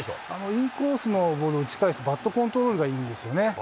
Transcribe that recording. インコースのボールを打ち返すバットコントロールがいいんですよね。